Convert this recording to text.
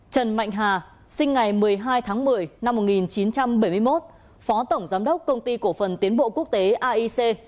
trần mạnh hà sinh ngày một mươi hai tháng một mươi năm một nghìn chín trăm bảy mươi một phó tổng giám đốc công ty cổ phần tiến bộ quốc tế aic